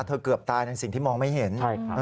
เกือบตายในสิ่งที่มองไม่เห็น